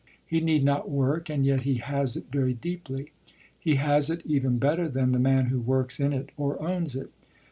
He need not work and yet he has it very deeply; he has it even better than the man who works in it or owns it.